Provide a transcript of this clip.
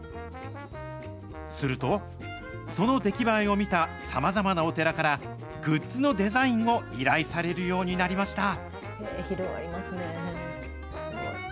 すると、その出来栄えを見たさまざまなお寺から、グッズのデザインを依頼されるようになりました。